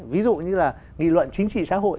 ví dụ như là nghị luận chính trị xã hội